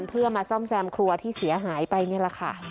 เพื่อมาซ่อมแซมครัวที่เสียหายไปนี่แหละค่ะ